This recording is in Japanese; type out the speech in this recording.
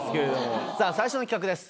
さぁ最初の企画です。